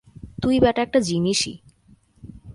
তুই ব্যাটা একটা জিনিসই।